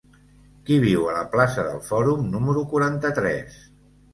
Qui viu a la plaça del Fòrum número quaranta-tres?